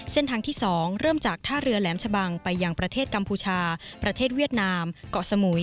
เส้นทางที่๒เริ่มจากท่าเรือแหลมชะบังไปยังประเทศกัมพูชาประเทศเวียดนามเกาะสมุย